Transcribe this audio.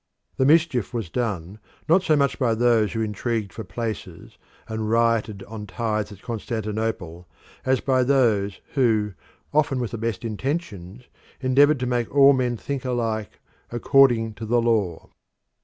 The mischief was done not so much by those who intrigued for places and rioted on tithes at Constantinople as by those who, often with the best intentions, endeavoured to make all men think alike "according to the law."